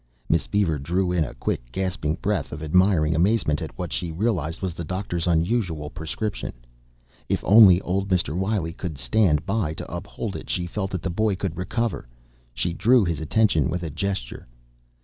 Miss Beaver drew in a quick gasping breath of admiring amazement at what she realized was the doctor's unusual prescription. If only old Mr. Wiley would stand by, to uphold it, she felt that the boy would recover. She drew his attention with a gesture.